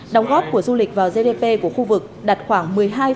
đồng góp của du lịch vào gdp của khu vực đạt khoảng một mươi hai bốn